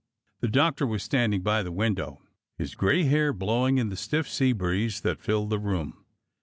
The Doctor was standing by the window, his gray hair blowing in the stiff sea breeze that filled the room.